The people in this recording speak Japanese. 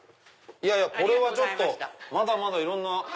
これはちょっとまだまだいろんな。